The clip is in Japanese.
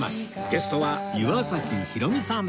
ゲストは岩崎ひろみさん。